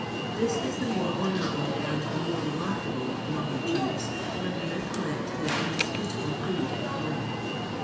This is the more honourable and the more remarkable among tlie Jews, when we recollect their indisputable greed of money.